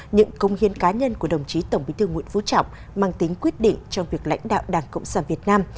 những công hiến cá nhân của đồng chí tổng bí thư nguyễn phú trọng mang tính quyết định trong việc lãnh đạo đảng cộng sản việt nam